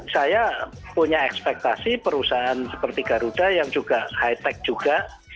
saya punya ekspektasi perusahaan seperti garuda yang juga high tech juga